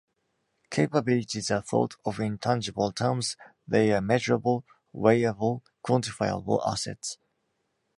Capabilities are thought of in tangible terms-they are measurable, weighable, quantifiable assets.